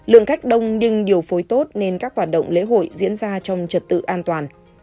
lượng khách đông nhưng điều phối tốt nên các hoạt động lễ hội diễn ra trong trật tự an toàn